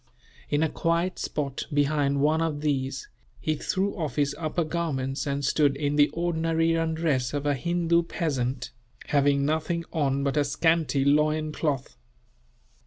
In a quiet spot, behind one of these, he threw off his upper garments and stood in the ordinary undress of a Hindoo peasant, having nothing on but a scanty loincloth.